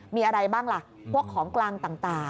มีอะไรบ้างล่ะพวกของกลางต่าง